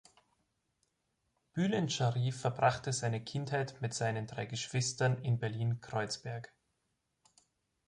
Bülent Sharif verbrachte seine Kindheit mit seinen drei Geschwistern in Berlin-Kreuzberg.